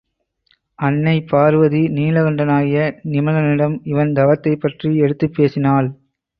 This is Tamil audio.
அன்னை பார்வதி நீலகண்டனாகிய நிமலனிடம் இவன் தவத்தைப்பற்றி எடுத்துப் பேசினாள்.